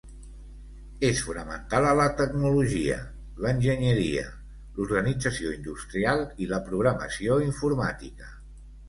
És fonamental a la tecnologia, l'enginyeria, l'organització industrial i la programació informàtica.